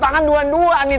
tangan dua dua nih